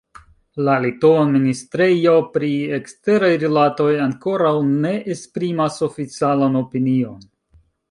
La litova ministrejo pri eksteraj rilatoj ankoraŭ ne esprimis oficialan opinion.